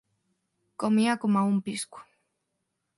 Comía coma un pisco